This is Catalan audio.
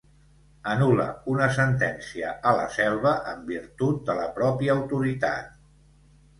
Anul·la una sentència a la Selva en virtut de la pròpia autoritat.